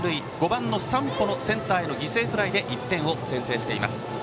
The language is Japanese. ５番の山保のセンターへの犠牲フライで１点を先制しています。